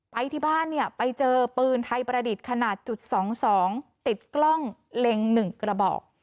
ไปที่บ้านเนี่ยไปเจอปืนไทยประดิษฐ์ขนาดจุด๒๒ติดกล้องเล็ง๑กระบอก